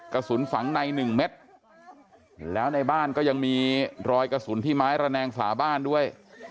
กระสุนฝังในหนึ่งเม็ดแล้วในบ้านก็ยังมีรอยกระสุนที่ไม้ระแนงฝาบ้านด้วย